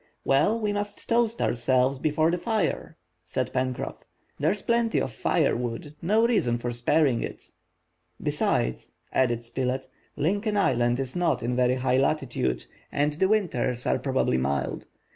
"Well, we must toast ourselves before the fire!" said Pencroff." There's plenty of fire wood, no reason for sparing it." "Besides," added Spilett, "Lincoln Island is not in very high latitude, and the winters are probably mild.